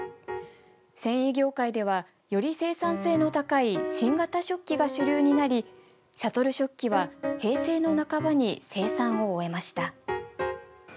繊維業界ではより生産性の高い新型織機が主流になりシャトル織機は平成の半ばに生産を終えました。